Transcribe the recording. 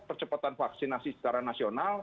percepatan vaksinasi secara nasional